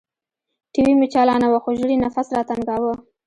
ټي وي مې چالاناوه خو ژر يې نفس راتنګاوه.